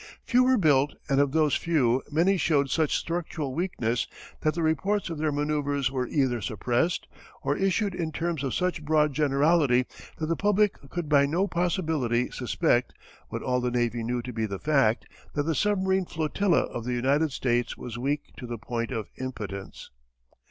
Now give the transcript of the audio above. Few were built and of those few many showed such structural weakness that the reports of their manoeuvres were either suppressed, or issued in terms of such broad generality that the public could by no possibility suspect, what all the Navy knew to be the fact, that the submarine flotilla of the United States was weak to the point of impotence.